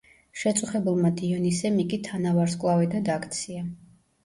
შეწუხებულმა დიონისემ იგი თანავარსკვლავედად აქცია.